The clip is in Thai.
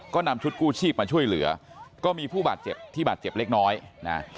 ก็นำชุดกู้ชีพมาช่วยเหลือก็มีผู้บาดเจ็บที่บาดเจ็บเล็กน้อยนะ